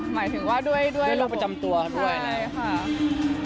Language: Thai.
หมายถึงว่าด้วยโรพกรรมตัวทำงานับเรื่องวิทยาลัยหลายค่ะด้วยรูปจำตัว